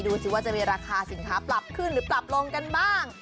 ดูสิว่าจะมีราคาสินค้าปรับขึ้นหรือปรับลงกันบ้าง